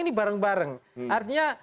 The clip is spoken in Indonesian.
ini bareng bareng artinya